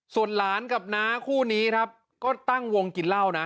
ส่วนหลานกับน้าคู่นี้ครับก็ตั้งวงกินเหล้านะ